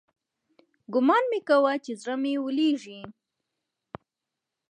ګومان مې كاوه چې زړه مې ويلېږي.